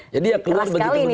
jadi ya keluar begitu begitu